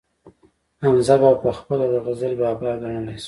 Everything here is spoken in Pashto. حمزه بابا پخپله د غزل بابا ګڼلی شو